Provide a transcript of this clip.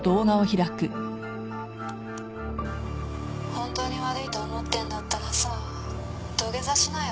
本当に悪いと思ってんだったらさ土下座しなよ。